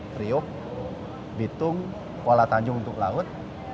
triuk bitung kuala tanjung untuk laut